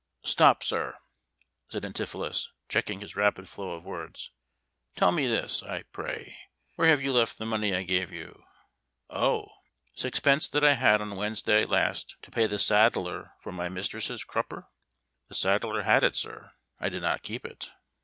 "Stop, sir!" said Antipholus, checking his rapid flow of words. "Tell me this, I pray: where have you left the money I gave you?" "O sixpence that I had on Wednesday last to pay the saddler for my mistress's crupper? The saddler had it, sir; I did not keep it."